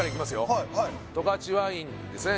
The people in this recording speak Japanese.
はいはい十勝ワインですね